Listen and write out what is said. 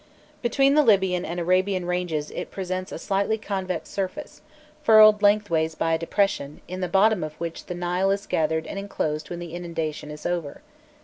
Between the Libyan and Arabian ranges it presents a slightly convex surface, furrowed lengthways by a depression, in the bottom of which the Nile is gathered and enclosed when the inundation is over.